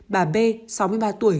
bà b sáu mươi ba tuổi